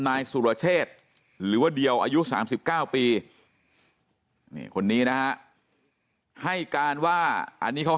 นายสุรเชษหรือว่าเดียวอายุ๓๙ปีนี่คนนี้นะฮะให้การว่าอันนี้เขา